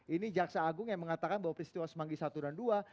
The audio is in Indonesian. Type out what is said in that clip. ini jaksa agung yang mengatakan bahwa peristiwa semanggi satu dan dua